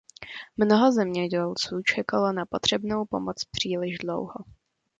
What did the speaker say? Mnoho zemědělců čekalo na potřebnou pomoc příliš dlouho.